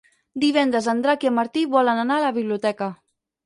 Divendres en Drac i en Martí volen anar a la biblioteca.